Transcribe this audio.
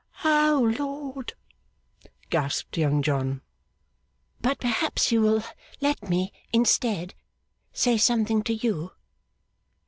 'O Lord!' gasped Young John. 'But perhaps you will let me, instead, say something to you.